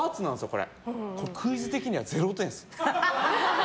これ、クイズ的には０点です。